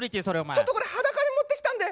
ちょっとこれ裸で持ってきたんで。